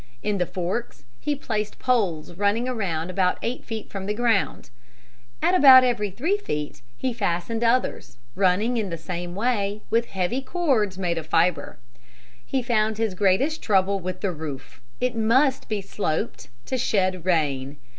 In the forks he placed poles running around about eight feet from the ground. At about every three feet he fastened others, running in the same way, with heavy cords made of fibre. He found his greatest trouble with the roof. It must be sloped to shed rain.